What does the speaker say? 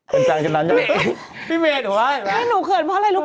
พี่เมนหรือไงแม่หนูเขินเพราะอะไรรู้ป่ะ